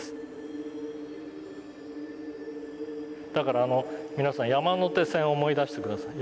だから皆さん山手線を思い出して下さい。